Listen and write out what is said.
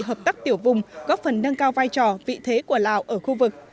hợp tác tiểu vùng góp phần nâng cao vai trò vị thế của lào ở khu vực